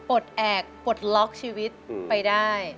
แอกปลดล็อกชีวิตไปได้